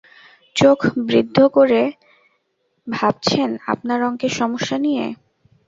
চোখ বৃন্ধ করে ভাবছেন আপনার অঙ্কের সমস্যা নিয়ে।